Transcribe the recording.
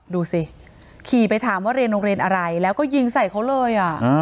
ดูสิขี่ไปถามว่าเรียนโรงเรียนอะไรแล้วก็ยิงใส่เขาเลย